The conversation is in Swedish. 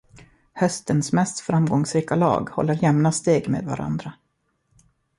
Höstens mest framgångsrika lag håller jämna steg med varandra.